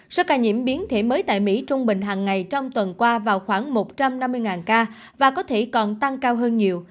số ca nhiễm biến thể mới tại mỹ trung bình hàng ngày trong tuần qua vào khoảng một trăm năm mươi ca và có thể còn tăng cao hơn nhiều